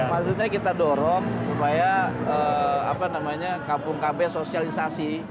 maksudnya kita dorong supaya kampung kb sosialisasi